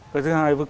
cái thứ hai vừa là